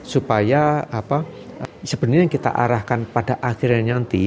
supaya sebenarnya yang kita arahkan pada akhirnya nanti